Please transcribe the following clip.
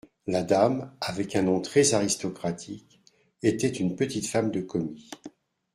La dame, avec un nom très-aristocratique, était une petite femme de commis.